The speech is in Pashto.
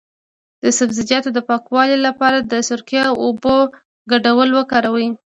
د سبزیجاتو د پاکوالي لپاره د سرکې او اوبو ګډول وکاروئ